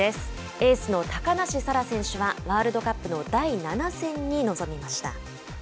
エースの高梨沙羅選手はワールドカップの第７戦に臨みました。